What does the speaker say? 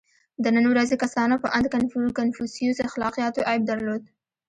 • د نن ورځې کسانو په اند کنفوسیوس اخلاقیاتو عیب درلود.